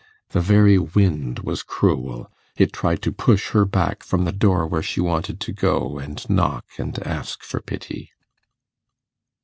The very wind was cruel: it tried to push her back from the door where she wanted to go and knock and ask for pity.